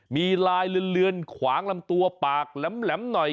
มีลายเลือนขวางลำตัวปากแหลมหน่อย